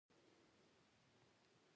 ژر ژر یې حرکت نه شو کولای .